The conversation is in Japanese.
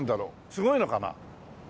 すごいのかな？